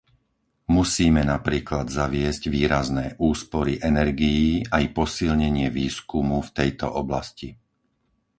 Musíme napríklad zaviesť výrazné úspory energií aj posilnenie výskumu v tejto oblasti.